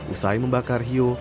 usai membakar hiu